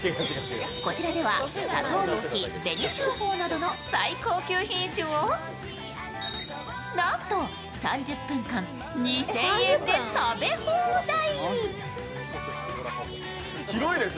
こちらでは佐藤錦、紅秀峰などの最高級品種を何と３０分間２０００円で食べ放題。